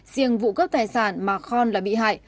riêng vụ cướp tài sản mà khon là bị hại